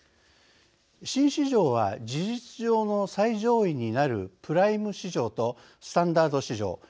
新市場は事実上の最上位になるプライム市場とスタンダード市場